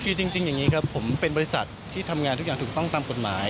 คือจริงอย่างนี้ครับผมเป็นบริษัทที่ทำงานทุกอย่างถูกต้องตามกฎหมาย